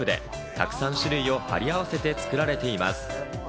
沢山種類を貼り合わせて作られています。